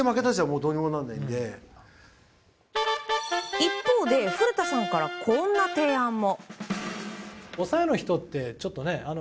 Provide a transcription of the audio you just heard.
一方で、古田さんからこんな提案も。